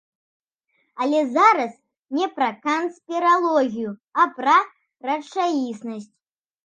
Але зараз не пра канспіралогію, а пра рэчаіснасць.